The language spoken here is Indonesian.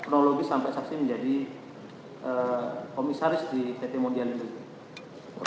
teknologi sampai saksi menjadi komisaris di pt mondial indukera